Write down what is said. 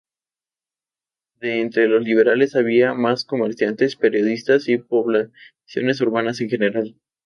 De entre los liberales había más comerciantes, periodistas, y poblaciones urbanas en general.